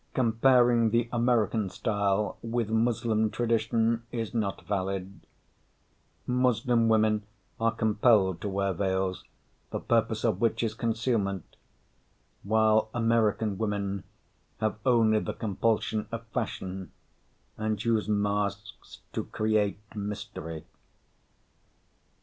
Comparing the American style with Moslem tradition is not valid; Moslem women are compelled to wear veils, the purpose of which is concealment, while American women have only the compulsion of fashion and use masks to create mystery.